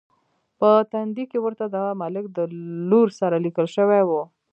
په تندي کې ورته د ملک د لور سره لیکل شوي و.